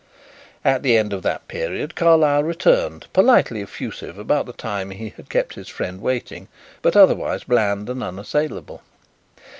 At the end of that period Carlyle returned, politely effusive about the time he had kept his friend waiting but otherwise bland and unassailable.